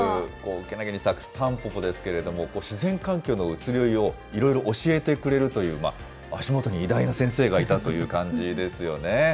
健気に咲くタンポポですけれども、自然環境のうつろいをいろいろ教えてくれるという、足元に偉大な先生がいたという感じですよね。